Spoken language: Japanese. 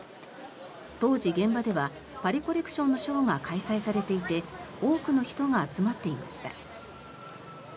当時、現場ではパリ・コレクションのショーが開催されていて多くの人が集まっていました。